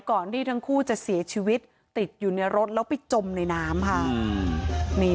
ก็ว่าเสียบุญบ้าน